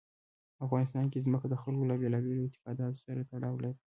افغانستان کې ځمکه د خلکو له بېلابېلو اعتقاداتو سره تړاو لري.